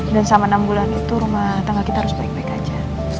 dan sama enam bulan itu rumah tangga kita harus baik baik aja